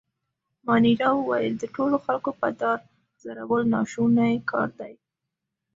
مانیرا وویل: د ټولو خلکو په دار ځړول ناشونی کار دی.